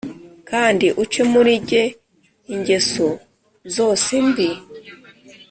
Kandi uce murijye ingeso zose mbi